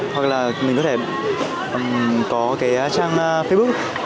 hoặc là mình có thể có cái trang facebook